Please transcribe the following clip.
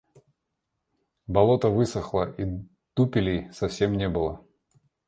Болото высохло, и дупелей совсем не было.